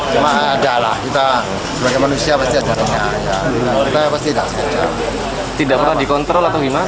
tidak pernah dikontrol atau gimana